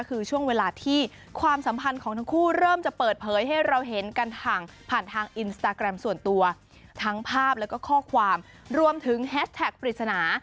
คือช่วงเวลาที่ความสัมพันธ์ของทั้งคู่เริ่มจะเปิดเผยให้เราเห็นกันห่างผ่านทางอินสตาแกรมส่วนตัวทั้งภาพแล้วก็ข้อความรวมถึงแฮชแท็กปริศนา